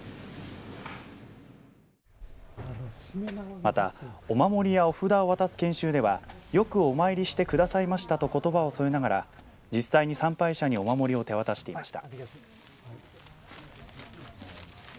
また、お守りやお札を渡す研修ではよくお参りしてくださいましたとことばを添えながら実際に参拝者にお守りを手渡していました。